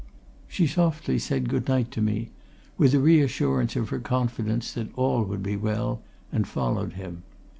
She softly said good night to me, with a reassurance of her confidence that all would be well, and followed him.